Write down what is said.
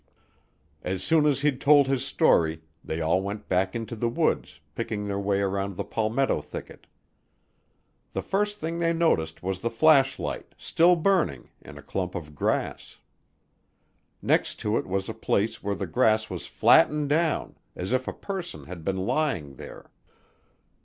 As soon as he'd told his story, they all went back into the woods, picking their way around the palmetto thicket. The first thing they noticed was the flashlight, still burning, in a clump of grass. Next to it was a place where the grass was flattened down, as if a person had been lying there.